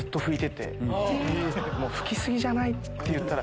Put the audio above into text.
拭き過ぎじゃない？って言ったら。